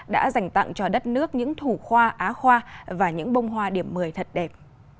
đã dành tặng cho đất nước những thủ khoa á khoa và những bông hoa điểm một mươi thật đẹp